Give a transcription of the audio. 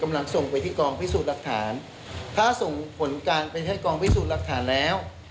ส่งไปที่กองพิสูจน์หลักฐานถ้าส่งผลการไปให้กองพิสูจน์หลักฐานแล้ว